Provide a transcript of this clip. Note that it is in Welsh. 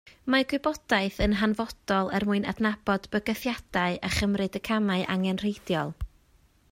Mae gwybodaeth yn hanfodol er mwyn adnabod bygythiadau a chymryd y camau angenrheidiol